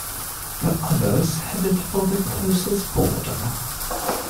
The others headed for the closest border.